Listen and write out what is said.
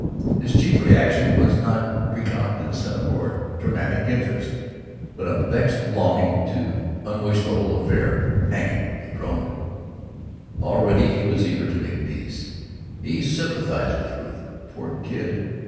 His chief reaction was not repentance nor dramatic interest, but a vexed longing to unwish the whole affair. "Hang it!" he groaned. Already he was eager to make peace. He sympathized with Ruth. "Poor kid!